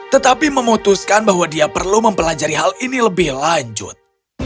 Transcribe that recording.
tetapi memutuskan bahwa dia perlu mempelajari hal ini lebih lanjut